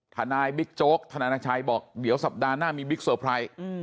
บิ๊กโจ๊กธนาชัยบอกเดี๋ยวสัปดาห์หน้ามีบิ๊กเซอร์ไพรส์